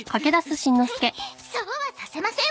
フッそうはさせませんわ。